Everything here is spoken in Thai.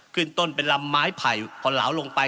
ขึ้นต้นเป็นลำไม้ไผ่พอเหลาลงไป